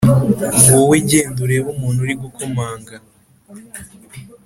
Wowe genda urebe umuntu uri gukomanga